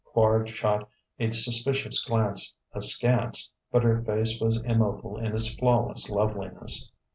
Quard shot a suspicious glance askance, but her face was immobile in its flawless loveliness.